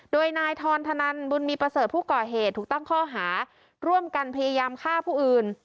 โดยนายทรธนันบุญมีประเสริฐผู้ก่อเหตุถูกตั้งข้อหาร่วมกันพยายามฆ่าผู้อื่น